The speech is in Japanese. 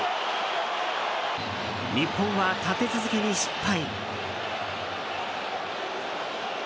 日本は立て続けに失敗。